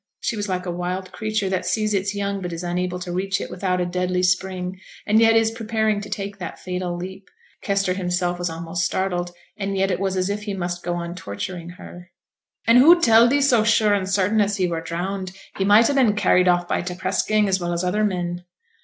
She was like a wild creature that sees its young, but is unable to reach it without a deadly spring, and yet is preparing to take that fatal leap. Kester himself was almost startled, and yet it was as if he must go on torturing her. 'An' who telled thee so sure and certain as he were drowned? He might ha' been carried off by t' press gang as well as other men.'